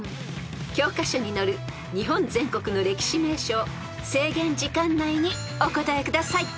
［教科書に載る日本全国の歴史名所を制限時間内にお答えください］